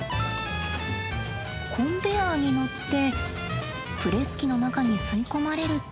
コンベヤーにのってプレス機の中に吸い込まれると。